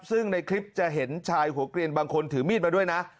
ซึ่งในคลิปจะเห็นชายหัวเกลียนบางคนถือมีดมาด้วยนะ